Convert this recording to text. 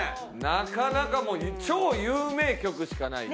なかなかもう超有名曲しかない。